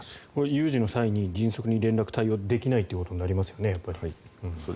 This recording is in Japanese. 有事の際に迅速に連絡対応ができないということになりますよね。